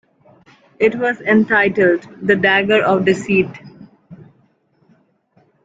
It was entitled "The Dagger of Deceit".